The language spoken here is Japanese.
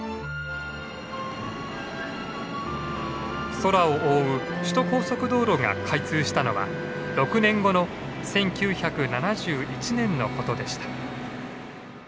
空を覆う首都高速道路が開通したのは６年後の１９７１年のことでした。